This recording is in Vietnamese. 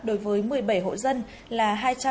đối với một mươi bảy hộ dân là